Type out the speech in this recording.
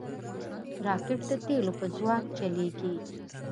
راکټ د تیلو په ځواک چلیږي